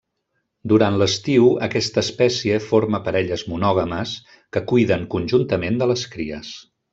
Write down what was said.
Durant l'estiu, aquesta espècie forma parelles monògames que cuiden conjuntament de les cries.